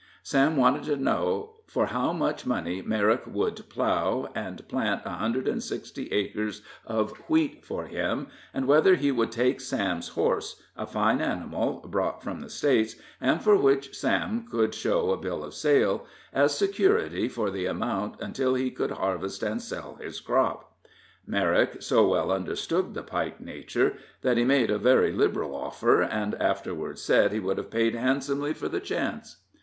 Sam wanted to know for how much money Merrick would plow and plant a hundred and sixty acres of wheat for him, and whether he would take Sam's horse a fine animal, brought from the States, and for which Sam could show a bill of sale as security for the amount until he could harvest and sell his crop. Merrick so well understood the Pike nature, that he made a very liberal offer, and afterward said he would have paid handsomely for the chance.